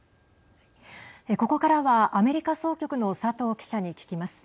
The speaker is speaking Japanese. ここからは、アメリカ総局の佐藤記者に聞きます。